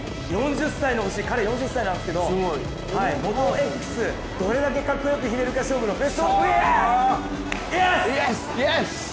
４０歳の星、彼、４０歳なんですけどＭＯＴＯＸ、どれだけかっこよくひねるかのベストプレー！